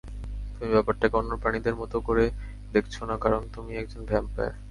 তুমি ব্যাপারটাকে অন্য প্রাণীদের মতো করে দেখছো না, কারণ তুমি একজন ভ্যাম্পায়ার।